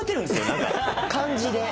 何か感じで。